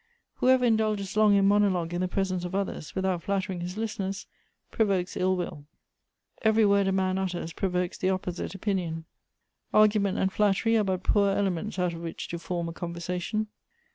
" Whoever indulges long in monologue in the presence of others, without flattering his listeners, provokes ill will." "Every word a man utters provokes the opposite opinion." " Argument and flattery are but poor elements out of which to form a conversation."